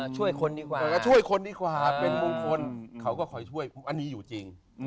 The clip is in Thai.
ช่วยคนดีกว่าก็ช่วยคนดีกว่าเป็นมงคลเขาก็คอยช่วยอันนี้อยู่จริง